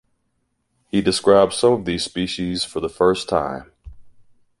He described some of these species for the first time.